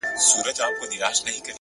پوهه د روښانه راتلونکي بنسټ دی،